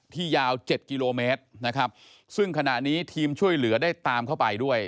ยาวเจ็ดกิโลเมตรนะครับซึ่งขณะนี้ทีมช่วยเหลือได้ตามเข้าไปด้วย